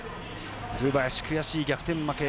古林、悔しい逆転負け。